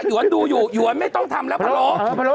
อยู่อันดูอยู่ว่าอยู่อันไม่ต้องทำแล้วผรโหล